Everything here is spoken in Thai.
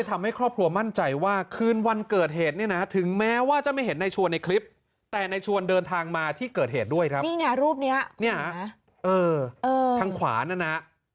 ที่เกิดเหตุด้วยครับรูปนี้ทางขวานั่นนะ